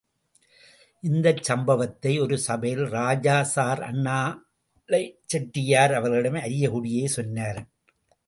இந்தச் சம்பவத்தை ஒரு சபையில் ராஜா சர் அண்ணாலை செட்டியார் அவர்களிடம் அரியக்குடியே சொன்னார்.